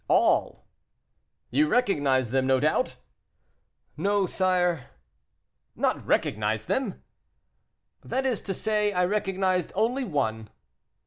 "All." "You recognized them, no doubt?" "No, sire." "Not recognized them?" "That is to say, I recognized only one."